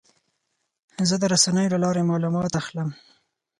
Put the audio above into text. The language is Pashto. زه د رسنیو له لارې معلومات اخلم.